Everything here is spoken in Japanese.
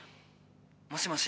もしもし。